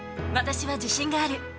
私は自信がある。